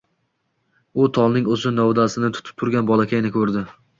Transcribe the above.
U tolning uzun novdasini tutib turgan bolakayni ko‘rdi.